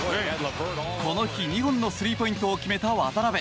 この日、２本のスリーポイントを決めた渡邊。